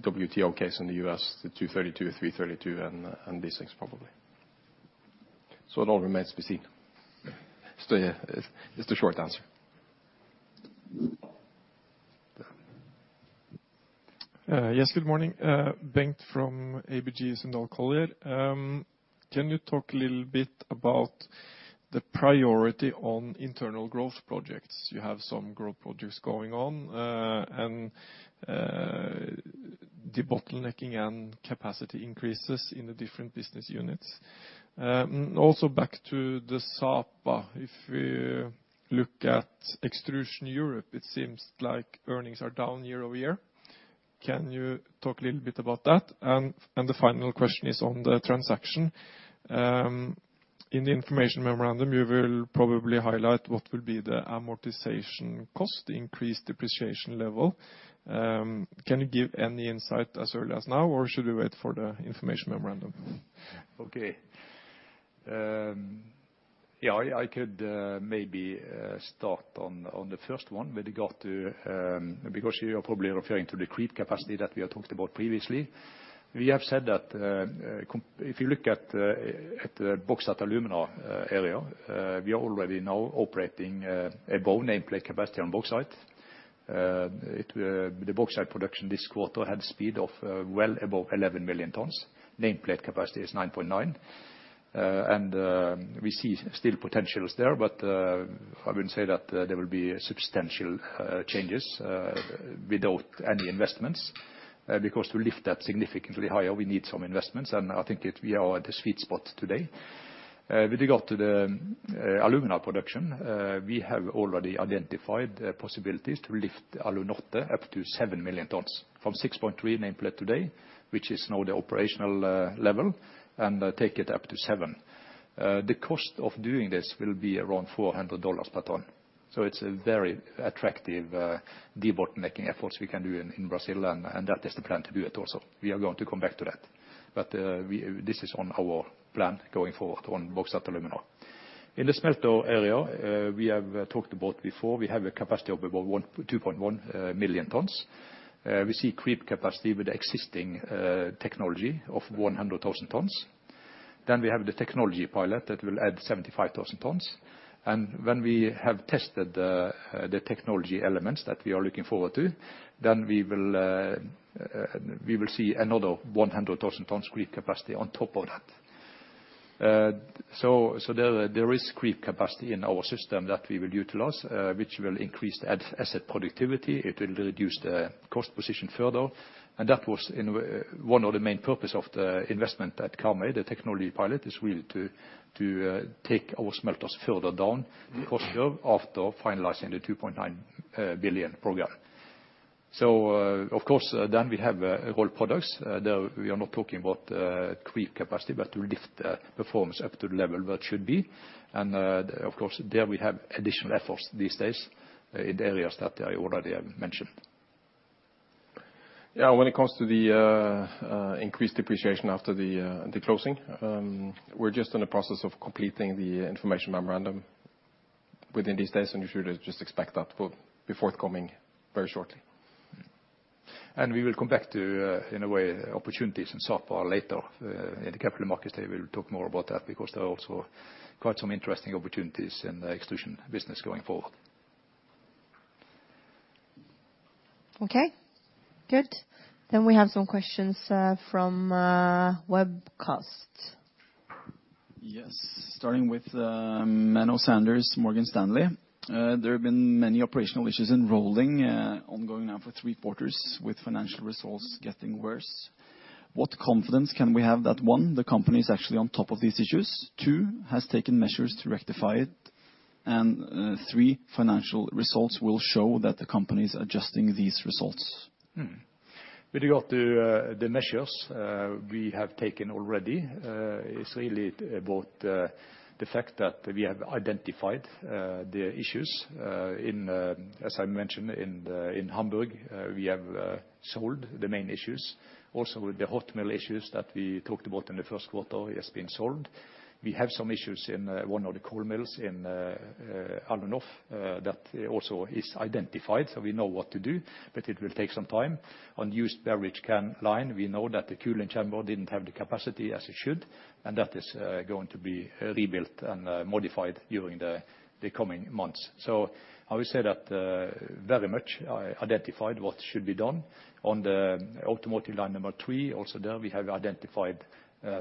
WTO case in the U.S., the Section 232, Section 332, and these things probably. It all remains to be seen. Yeah, it's the short answer. Yes, good morning. Bengt from ABG Sundal Collier. Can you talk a little bit about the priority on internal growth projects? You have some growth projects going on, and debottlenecking and capacity increases in the different business units. Also back to the Sapa. If we look at extrusion Europe, it seems like earnings are down year-over-year. Can you talk a little bit about that? The final question is on the transaction. In the information memorandum, you will probably highlight what will be the amortization cost, the increased depreciation level. Can you give any insight as early as now, or should we wait for the information memorandum? Okay. Yeah, I could maybe start on the first one with regard to because you are probably referring to the creep capacity that we have talked about previously. We have said that if you look at the Bauxite & Alumina area, we are already now operating above nameplate capacity on bauxite. The bauxite production this quarter had speed of well above 11 million tons. Nameplate capacity is 9.9. We see still potentials there, but I wouldn't say that there will be substantial changes without any investments. Because to lift that significantly higher, we need some investments, and I think we are at the sweet spot today. With regard to the alumina production, we have already identified possibilities to lift Alunorf up to 7 million tons from 6.3 nameplate today, which is now the operational level, and take it up to 7. The cost of doing this will be around $400 per ton. It's a very attractive debottlenecking efforts we can do in Brazil. That is the plan to do it also. We are going to come back to that. This is on our plan going forward on Bauxite & Alumina. In the smelter area, we have talked about before, we have a capacity of about 1.2 million tons. We see creep capacity with the existing technology of 100,000 tons. We have the technology pilot that will add 75,000 tons. When we have tested the technology elements that we are looking forward to, we will see another 100,000 tons creep capacity on top of that. There is creep capacity in our system that we will utilize, which will increase the asset productivity. It will reduce the cost position further. That was one of the main purpose of the investment that Karmøy, the technology pilot, is really to take our smelters further down the cost curve after finalizing the 2.9 billion program. We have rolled products. There we are not talking about creep capacity, but to lift the performance up to the level that it should be. Of course, there we have additional efforts these days in the areas that I already have mentioned. Yeah, when it comes to the increased depreciation after the closing, we're just in the process of completing the information memorandum within these days, and you should just expect that will be forthcoming very shortly. We will come back to, in a way, opportunities in Sapa later. In the capital markets today, we'll talk more about that because there are also quite some interesting opportunities in the extrusion business going forward. Okay. Good. We have some questions from webcast. Yes. Starting with Menno Sanderse, Morgan Stanley. There have been many operational issues in rolling ongoing now for 3 quarters with financial results getting worse. What confidence can we have that, 1, the company's actually on top of these issues, 2, has taken measures to rectify it, and 3, financial results will show that the company's adjusting these results? With regard to the measures we have taken already, it's really about the fact that we have identified the issues. As I mentioned, in Hamburg, we have solved the main issues. Also, with the hot mill issues that we talked about in the 1st quarter, it has been solved. We have some issues in one of the cold mills in Alunorf. That also is identified, so we know what to do, but it will take some time. On used beverage can line, we know that the cooling chamber didn't have the capacity as it should, and that is going to be rebuilt and modified during the coming months. I would say that very much identified what should be done. On the Automotive Line Number 3, also there we have identified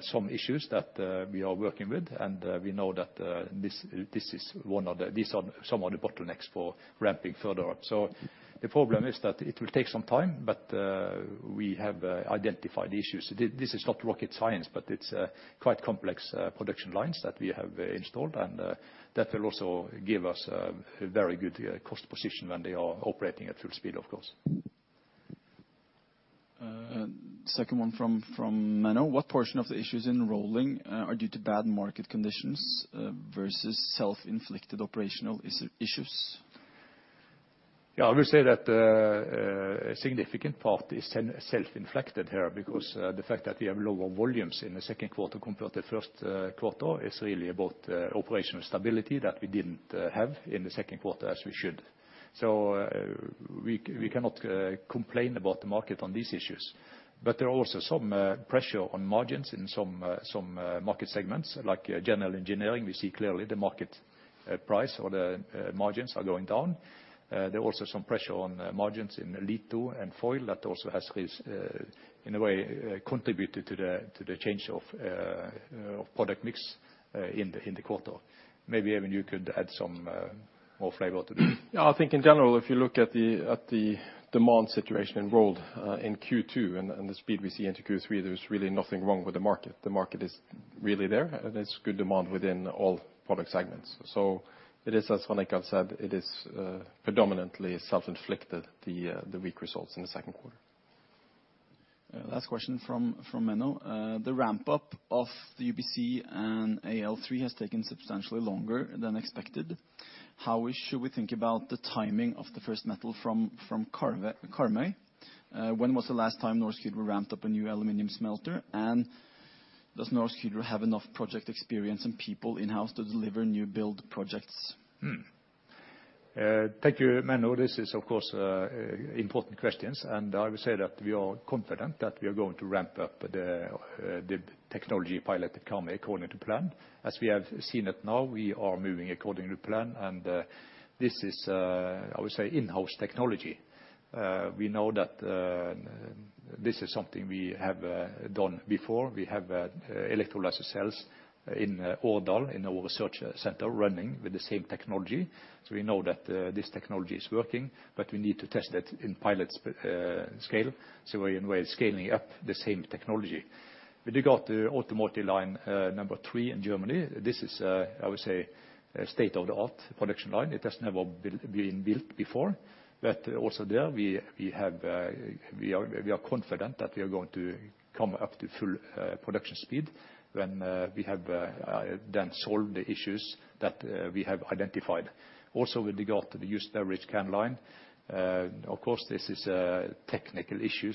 some issues that we are working with. We know that these are some of the bottlenecks for ramping further up. The problem is that it will take some time, but we have identified the issues. This is not rocket science, but it's quite complex production lines that we have installed. That will also give us a very good cost position when they are operating at full speed, of course. Second one from Menno. What portion of the issues in rolling are due to bad market conditions versus self-inflicted operational issues? Yeah, I would say that a significant part is self-inflicted here because the fact that we have lower volumes in the 2nd quarter compared to 1st quarter is really about operational stability that we didn't have in the 2nd quarter as we should. We cannot complain about the market on these issues. There are also some pressure on margins in some market segments, like general engineering. We see clearly the market price or the margins are going down. There are also some pressure on margins in litho and foil. That also has in a way contributed to the change of product mix in the quarter. Maybe Eivind, you could add some more flavor to this. Yeah. I think in general, if you look at the demand situation in rolled in Q2 and the speed we see into Q3, there's really nothing wrong with the market. The market is really there, and there's good demand within all product segments. It is, as Rune said, it is predominantly self-inflicted, the weak results in the 2nd quarter. Last question from Menno. The ramp-up of the UBC and AL3 has taken substantially longer than expected. Should we think about the timing of the first metal from Karmøy? When was the last time Norsk Hydro ramped up a new aluminum smelter? Does Norsk Hydro have enough project experience and people in-house to deliver new build projects? Thank you, Menno. This is, of course, important questions. I would say that we are confident that we are going to ramp up the technology pilot at Karmøy according to plan. As we have seen it now, we are moving according to plan, and this is, I would say in-house technology. We know that this is something we have done before. We have electrolysis cells in Årdal in our research center running with the same technology. We know that this technology is working, but we need to test it in pilot scale. We're, in a way, scaling up the same technology. With regard to automotive line number 3 in Germany, this is, I would say a state-of-the-art production line. It hasn't ever been built before. Also there, we are confident that we are going to come up to full production speed when we have then solved the issues that we have identified. Also, with regard to the used beverage can line, of course this is a technical issue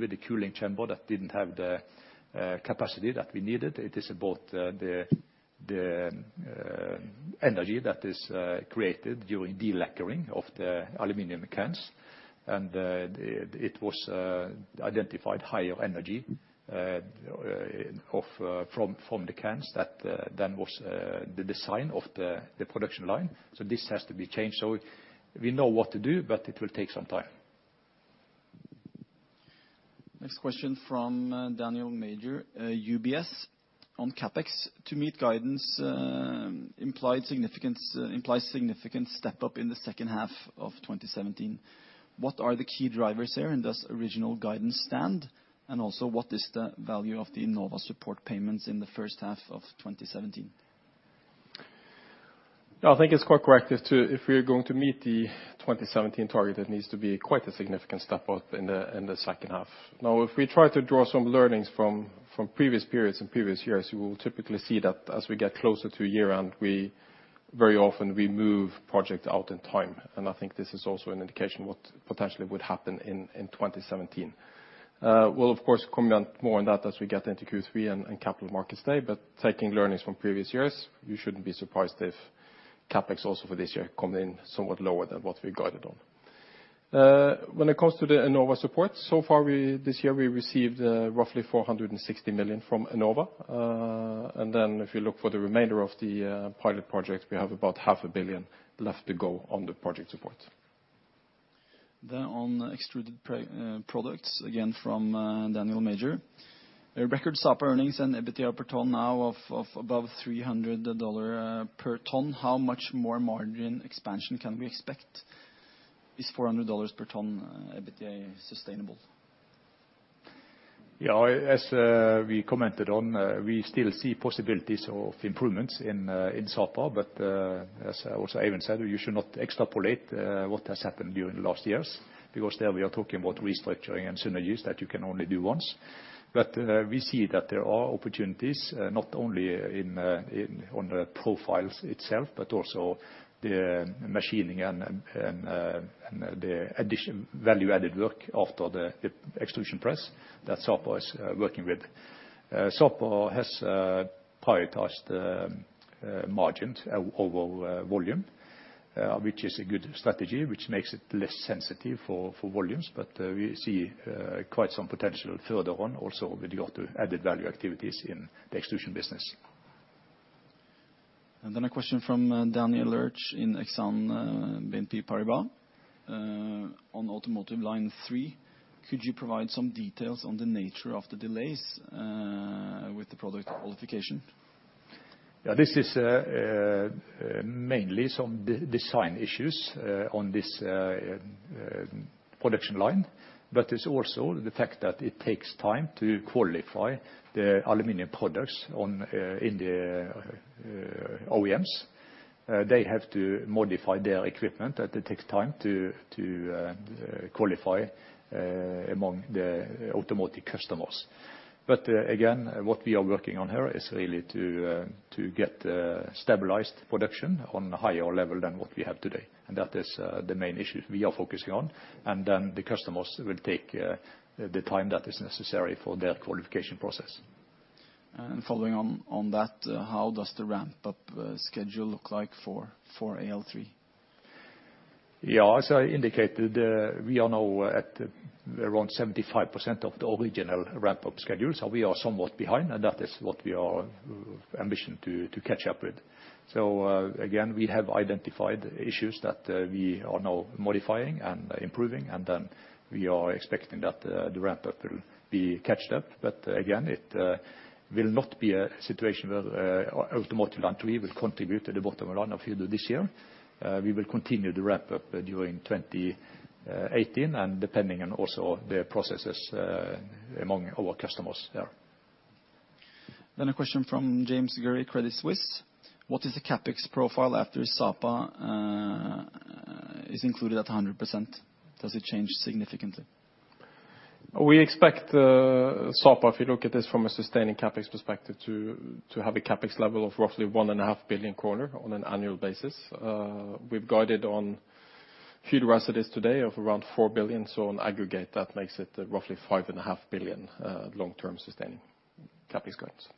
with the cooling chamber that didn't have the capacity that we needed. It is about the energy that is created during delacquering of the aluminum cans. It was identified higher energy from the cans than was the design of the production line, so this has to be changed. We know what to do, but it will take some time. Next question from Daniel Major, UBS. On CapEx, to meet guidance, implies significant step-up in the 2nd half of 2017. What are the key drivers there, and does original guidance stand? What is the value of the Enova support payments in the 1st half of 2017? I think it's quite correct. If we are going to meet the 2017 target, it needs to be quite a significant step up in the second half. Now, if we try to draw some learnings from previous periods and previous years, you will typically see that as we get closer to year-end, we very often move project out in time, and I think this is also an indication what potentially would happen in 2017. We'll of course comment more on that as we get into Q3 and capital markets day, but taking learnings from previous years, you shouldn't be surprised if CapEx also for this year come in somewhat lower than what we guided on. When it comes to the Enova support, so far this year we received roughly 460 million from Enova. If you look for the remainder of the pilot project, we have about NOK half a billion left to go on the project support. On extruded products, again from Daniel Major. A record Sapa earnings and EBITDA per ton now of above $300 per ton. How much more margin expansion can we expect? Is $400 per ton EBITDA sustainable? Yeah. As we commented on, we still see possibilities of improvements in Sapa. As also Eivind said, you should not extrapolate what has happened during the last years because there we are talking about restructuring and synergies that you can only do once. We see that there are opportunities, not only in the profiles itself, but also the machining and the additional value-added work after the extrusion press that Sapa is working with. Sapa has prioritized margins over volume, which is a good strategy which makes it less sensitive for volumes. We see quite some potential further on also with regard to added value activities in the extrusion business. A question from Daniel Lurch in Exane BNP Paribas. On automotive line 3, could you provide some details on the nature of the delays with the product qualification? Yeah, this is mainly some design issues on this production line, but it's also the fact that it takes time to qualify the aluminum products in the OEMs. They have to modify their equipment, and it takes time to qualify among the automotive customers. Again, what we are working on here is really to get stabilized production on a higher level than what we have today. That is the main issue we are focusing on. The customers will take the time that is necessary for their qualification process. Following on that, how does the ramp up schedule look like for AL3? Yeah. As I indicated, we are now at around 75% of the original ramp-up schedule. We are somewhat behind, and that is what we are ambitious to catch up with. Again, we have identified issues that we are now modifying and improving, and then we are expecting that the ramp-up will be caught up. Again, it will not be a situation where automotive line 3 will contribute to the bottom line of Hydro this year. We will continue the ramp-up during 2018 and depending on also the processes among our customers there. A question from James Gurry, Credit Suisse. What is the CapEx profile after Sapa is included at 100%? Does it change significantly? We expect the Sapa, if you look at this from a sustaining CapEx perspective, to have a CapEx level of roughly 1.5 billion kroner on an annual basis. We've guided on Hydro as it is today of around 4 billion. On aggregate, that makes it roughly 5.5 billion, long-term sustaining CapEx guidance.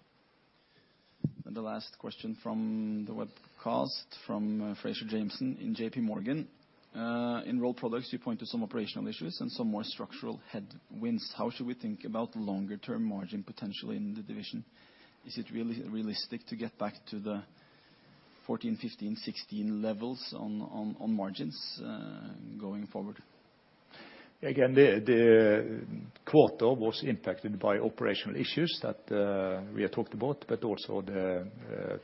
The last question from the webcast, from Fraser Jamieson in JPMorgan. In Rolled Products, you point to some operational issues and some more structural headwinds. How should we think about longer term margin potential in the division? Is it really realistic to get back to the 14%, 15%, 16% levels on margins going forward? Again, the quarter was impacted by operational issues that we had talked about, but also the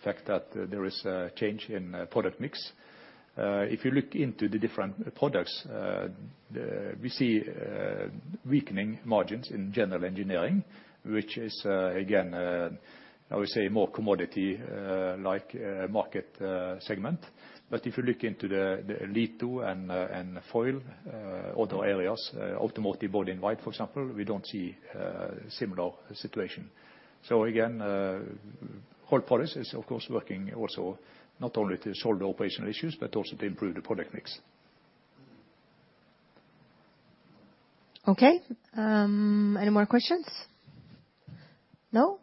fact that there is a change in product mix. If you look into the different products, we see weakening margins in general engineering, which is again, I would say more commodity like market segment. But if you look into the litho and foil other areas, automotive body in white, for example, we don't see similar situation. Again, Rolled Products is of course working also not only to solve the operational issues, but also to improve the product mix. Okay. Any more questions? No?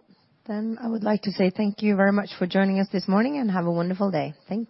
I would like to say thank you very much for joining us this morning and have a wonderful day. Thank you.